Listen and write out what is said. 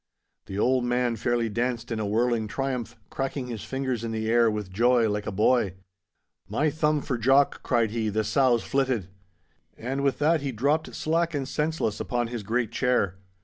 The old man fairly danced in a whirling triumph, cracking his fingers in the air with joy like a boy. 'My thumb for Jock!' cried he, 'the sow's flitted!' And with that he dropped slack and senseless upon his great chair.